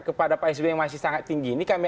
kepada pak sby yang masih sangat tinggi ini kami